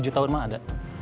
tujuh tahun mah ada